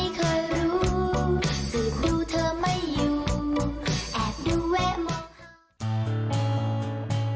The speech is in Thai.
สูตรดูเธอเมื่อยู่แอบดูแวะมอง